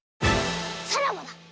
さらばだ！